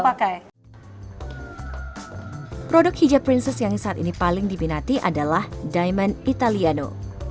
produk hijab princess yang saat ini paling diminati adalah diamond italiano